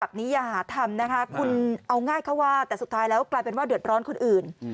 อย่าหาทำนะคะคุณเอาง่ายเข้าว่าแต่สุดท้ายแล้วกลายเป็นว่าเดือดร้อนคนอื่น